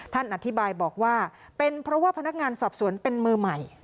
ท่านอธิบายบอกว่าเป็นเพราะว่าพนักงานสอบสวนเป็นมือใหม่